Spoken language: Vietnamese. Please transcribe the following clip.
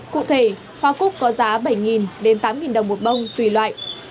cụ thể hoa cúc có giá bảy đến tám đồng một bông tùy loại